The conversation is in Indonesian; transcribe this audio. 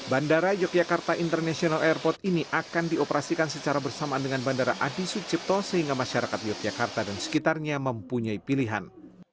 bandara yogyakarta international airport ini akan dioperasikan secara bersamaan dengan bandara adi sucipto sehingga masyarakat yogyakarta dan sekitarnya mempunyai pilihan